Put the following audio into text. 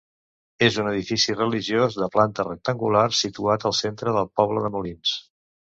És un edifici religiós de planta rectangular, situat al centre del poble de Molins.